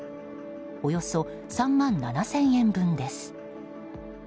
およそ３万７０００円分です。